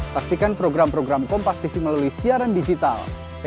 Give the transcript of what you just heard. baru selesai baru dibayar